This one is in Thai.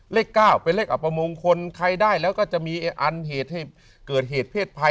เลข๙เป็นเลขอัปมงคลใครได้แล้วก็จะมีอันเหตุให้เกิดเหตุเพศภัย